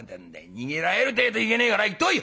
逃げられるてえといけねえから行ってこい！」。